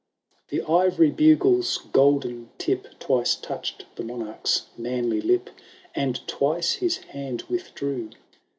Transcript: XV. " The ivory buglers golden tip Twice touched the Monarches manly Up, And twice his hand withdrew.